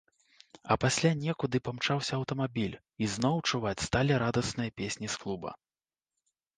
А пасля некуды памчаўся аўтамабіль, і зноў чуваць сталі радасныя песні з клуба.